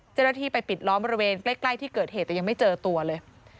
เจ้าหน้าที่ไปปิดล้อมบริเวณใกล้ที่เกิดเหตุแต่ยังไม่เจอตัวเลย